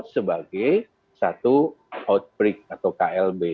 sebagai satu outbreak atau klb